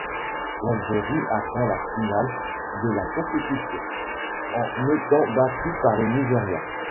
L'Algérie atteint la finale de la compétition, en étant battue par le Nigéria.